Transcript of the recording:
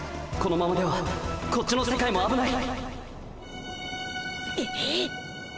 このままではこっちの世界もあぶない！